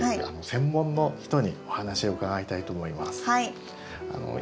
専門の人にお話を伺いたいと思います。